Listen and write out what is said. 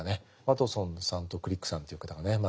ワトソンさんとクリックさんという方がね